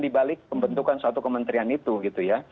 di balik pembentukan suatu kementerian itu gitu ya